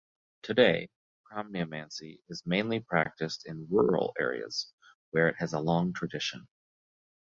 Today, cromniomancy is mainly practiced in rural areas where it has a long tradition.